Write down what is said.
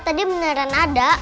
tadi beneran ada